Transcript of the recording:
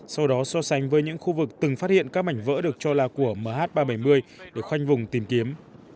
sau đó so sánh với những khu vực từng phát hiện các mảnh vỡ được cho là của mh ba trăm bảy mươi để khoanh vùng tìm kiếm